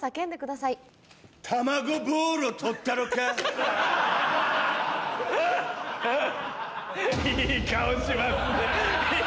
いい顔しますね。